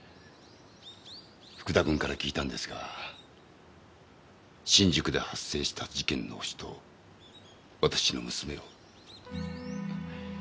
福田くんから聞いたんですが新宿で発生した事件のホシと私の娘を。